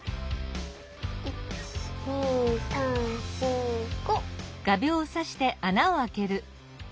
１２３４５。